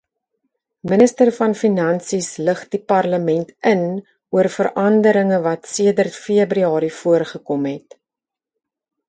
Minister van Finansies lig die parlement in oor veranderinge wat sedert Februarie voorgekom het.